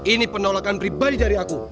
ini penolakan pribadi dari aku